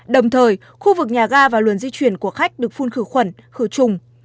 đồng thời khu vực nhà ga và luồng di chuyển của khách được phun khử khuẩn khử trùng